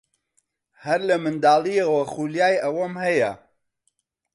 هەر لە منداڵییەوە خولیای ئەوەم هەیە.